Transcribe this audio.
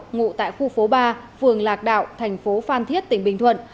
ngụ tại khu phố ba phường lạc đạo thành phố phan thiết tỉnh bình thuận